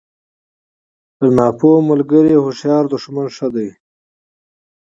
تر ناپوه ملګري هوښیار دوښمن ښه دئ!